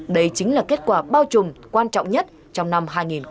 đấy chính là kết quả bao trùm quan trọng nhất trong năm hai nghìn hai mươi ba